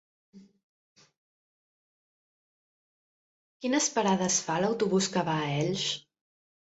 Quines parades fa l'autobús que va a Elx?